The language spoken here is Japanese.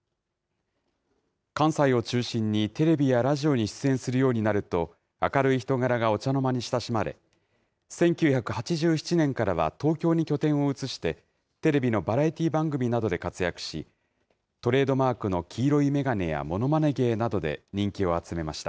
関西を中心にテレビやラジオに出演するようになると、明るい人柄がお茶の間に親しまれ、１９８７年からは東京に拠点を移して、テレビのバラエティー番組などで活躍し、トレードマークの黄色い眼鏡やものまね芸などで人気を集めました。